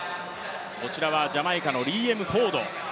こちらはジャマイカのリーエム・フォード。